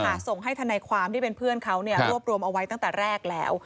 ส่งให้ทนายความที่เป็นเพื่อนเขาเนี่ยรวบรวมเอาไว้ตั้งแต่แรกแล้ว